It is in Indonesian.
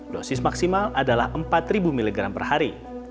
dosis maksimal adalah empat mg per hari